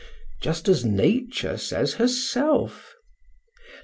just as Nature says herself.